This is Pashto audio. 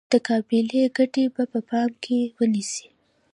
متقابلې ګټې به په پام کې ونیسي.